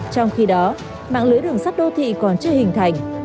trong khi đó mạng lưới đường sắt đô thị còn chưa hình thành